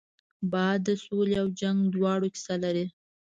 باد د سولې او جنګ دواړو کیسه لري